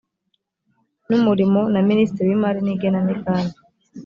n umurimo na minisitiri w imari n igenamigambi